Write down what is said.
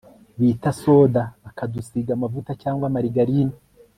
bita soda bakadusiga amavuta cyangwa marigarine